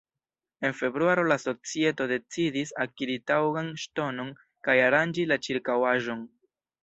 En februaro la societo decidis akiri taŭgan ŝtonon kaj aranĝi la ĉirkaŭaĵon.